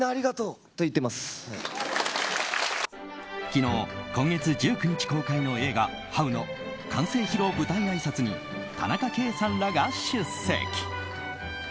昨日、今月１９日公開の映画「ハウ」の完成披露舞台あいさつに田中圭さんらが出席。